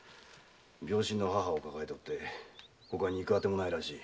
病身の母を抱えておってほかに行くあてもないらしい。